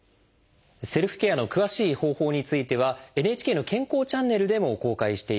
セルフケアの詳しい方法についてはＮＨＫの「健康チャンネル」でも公開しています。